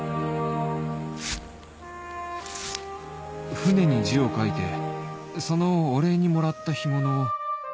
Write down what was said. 船に字を書いてそのお礼にもらった干物を